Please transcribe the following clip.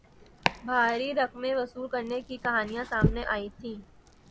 بھاری رقمیں وصول کرنے کی کہانیاں سامنے آئی تھیں